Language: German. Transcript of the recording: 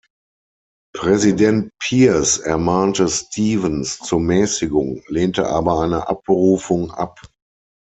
Präsident Pierce ermahnte Stevens zur Mäßigung, lehnte aber eine Abberufung ab.